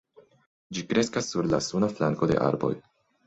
Ĝi kreskas sur la suna flanko de arboj.